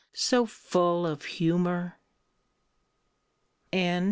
so full of humour!" III.